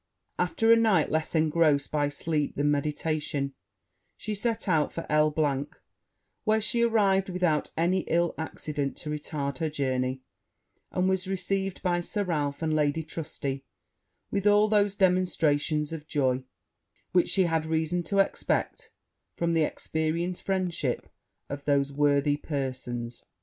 After a night less engrossed by sleep than meditation, she set out for L e, where she arrived without any ill accident to retard her journey; and was received by Sir Ralph and Lady Trusty with all those demonstrations of joy, which she had reason to expect from the experienced friendship of those worthy persons.